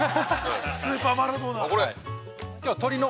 スーパーマラドーナの。